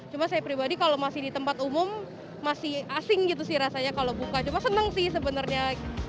cuma saya pribadi kalau masih di tempat umum masih asing gitu sih rasanya kalau buka cuma seneng sih sebenarnya